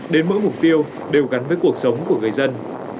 đến mỗi mục tiêu đều gắn với cuộc sống của người dân